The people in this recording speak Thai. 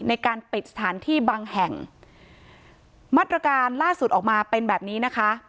ในการปิดสถานที่บางแห่งมาตรการล่าสุดออกมาเป็นแบบนี้นะคะ